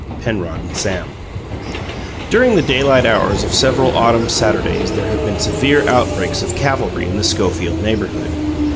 PENROD AND SAM During the daylight hours of several autumn Saturdays there had been severe outbreaks of cavalry in the Schofield neighbourhood.